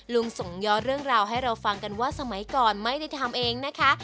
ส่งย้อนเรื่องราวให้เราฟังกันว่าสมัยก่อนไม่ได้ทำเองนะคะ